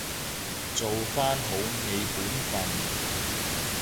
做返好你本分